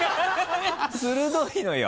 鋭いのよ。